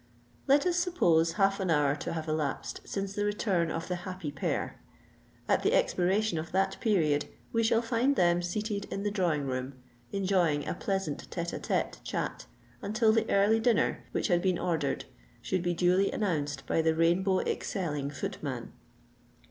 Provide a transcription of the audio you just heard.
Let us suppose half an hour to have elapsed since the return of the "happy pair." At the expiration of that period we shall find them seated in the drawing room, enjoying a pleasant tête à tête chat until the early dinner which had been ordered should be duly announced by the rainbow excelling footman.